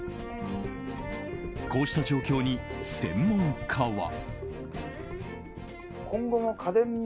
こうした状況に専門家は。